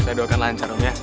saya doakan lancar ya